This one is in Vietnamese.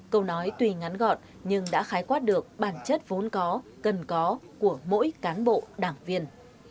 câu nói tùy ngắn gọn nhưng đã khái quát được bản chất vốn có cần có của mỗi cán bộ đảng viên